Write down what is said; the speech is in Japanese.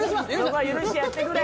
そこは許してやってくれ。